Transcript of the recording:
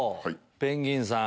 ペンギンさん。